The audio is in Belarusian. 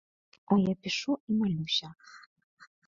А я пішу і малюся.